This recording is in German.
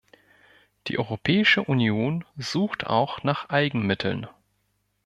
Die Europäische Union sucht auch nach Eigenmitteln.